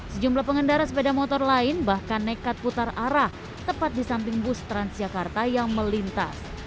sejumlah pengendara sepeda motor lain bahkan nekat putar arah tepat di samping bus transjakarta yang melintas